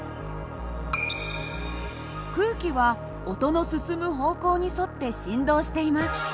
空気は音の進む方向に沿って振動しています。